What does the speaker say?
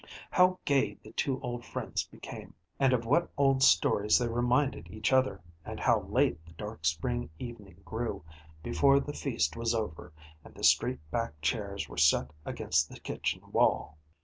How gay the two old friends became, and of what old stories they reminded each other, and how late the dark spring evening grew, before the feast was over and the straight backed chairs were set against the kitchen wall!